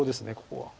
ここは。